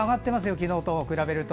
昨日と比べると。